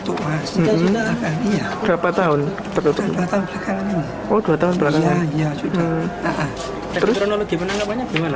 terus kronologi penangkapannya gimana